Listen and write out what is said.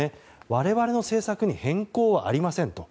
我々の政策に変更はありませんと。